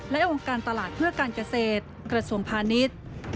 และองค์การตลาดเพื่อการเกษตรกระทรวงพาณิชย์